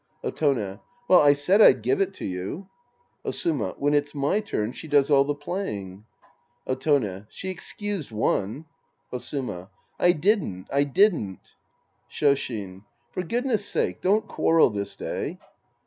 Otone. Well, I said I'd give it to you. Osuma. When it's my turn, she does all the playing. Otone. She excused one. Osuma. I didn't. I didn't. Shoshin. For goodness' sake, don't quarrel this day.